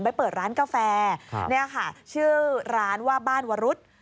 ไปเปิดร้านกาแฟนี่ค่ะชื่อร้านว่าบ้านวรุษ